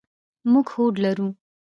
موږ هوډ لرو.